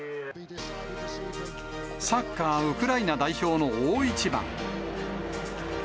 サッカーウクライナ代表の大一番。